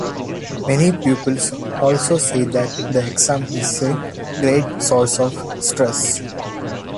Many pupils also say that the exam is a great source of stress.